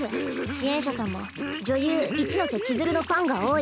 支援者さんも女優・一ノ瀬ちづるのファンが多い。